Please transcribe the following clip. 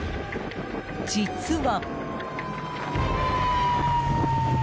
実は。